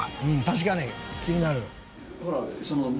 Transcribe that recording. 確かに気になる！」